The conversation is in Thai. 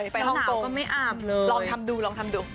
ไปห้องกงลองทำดูลองทำดู